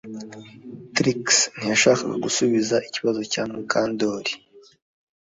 Trix ntiyashakaga gusubiza ikibazo cya Mukandoli